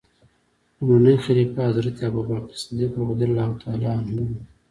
لومړنی خلیفه حضرت ابوبکر صدیق رض و.